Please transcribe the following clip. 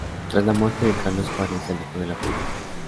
Tras la muerte de Carlos Juárez, se alejó de la política.